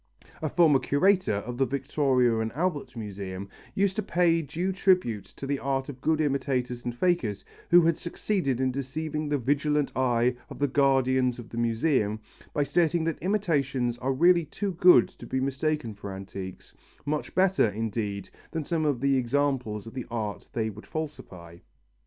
A former curator of the Victoria and Albert Museum used to pay due tribute to the art of good imitators and fakers, who had succeeded in deceiving the vigilant eye of the guardians of museums, by stating that imitations are really too good to be mistaken for antiques, much better, indeed, than some of the examples of the art they would falsify.